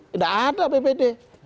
tidak ada apbd